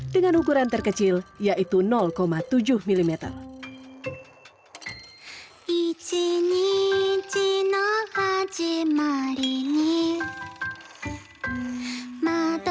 dengan ukuran terkecil yaitu tujuh mm